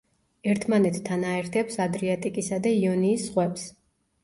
ერთმანეთთან აერთებს ადრიატიკისა და იონიის ზღვებს.